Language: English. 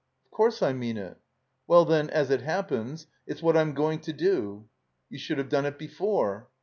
*' "Of course I mean it." "Well, then — as it happens — it's what I'm going to do." "You should have done it before."